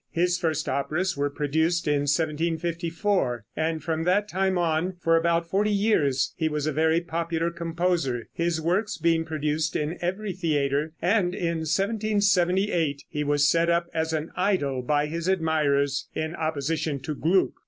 His first operas were produced in 1754, and from that time on for about forty years he was a very popular composer, his works being produced in every theater, and in 1778 he was set up as an idol by his admirers, in opposition to Gluck.